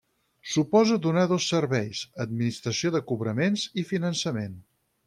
Suposa donar dos serveis: administració de cobraments i finançament.